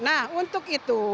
nah untuk itu